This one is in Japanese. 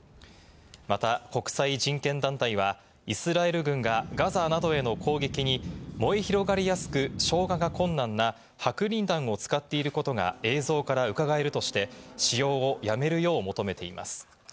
また国際人権団体は、イスラエル軍がガザなどへの攻撃にも広がりやすく、消火が困難な白リン弾を使っていることが映像からうかがえるとして使用をやめるよう求めています。